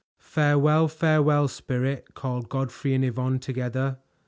"Farewell, farewell, Spirit!" called Godfrey and Yvonne together.